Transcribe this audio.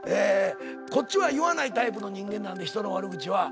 こっちは言わないタイプの人間なんで人の悪口は。